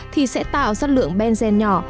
thì sẽ tạo sát lượng benzene nhỏ